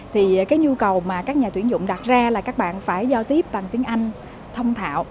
thì cái nhu cầu mà các nhà tuyển dụng đặt ra là các bạn phải giao tiếp bằng tiếng anh thông thạo